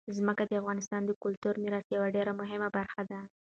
ځمکه د افغانستان د کلتوري میراث یوه ډېره مهمه برخه ده.